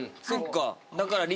そっか。